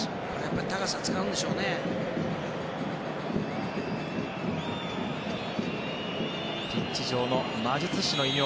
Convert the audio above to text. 高さを使うんでしょうねやっぱり。